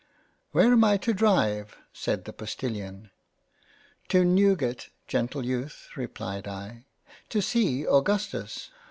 " Where am I to Drive ?" said the Postilion. " To Newgate Gentle Youth (replied I), to see Augustus."